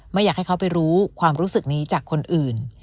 ไม่อยากให้เขาไปรู้ความรู้สึกนี้จากคนอื่น